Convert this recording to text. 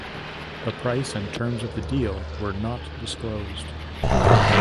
The price and terms of the deal were not disclosed.